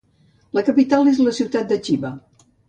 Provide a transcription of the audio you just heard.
La capital és la ciutat de Chiba.